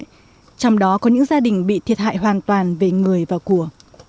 trong đó có những gia đình bị thiệt hại hoàn toàn về người và của